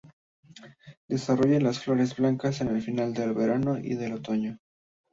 Desarrolla las flores blancas al final del verano y el otoño.